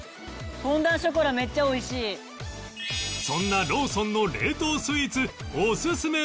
そんなローソンの冷凍スイーツおすすめ